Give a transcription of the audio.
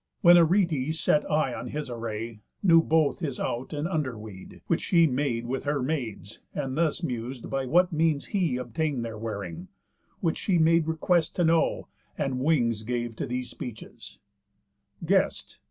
When Arete set eye on his array; Knew both his out and under weed, which she Made with her maids; and mus'd by what means he Obtain'd their wearing; which she made request To know, and wings gave to these speeches: "Guest!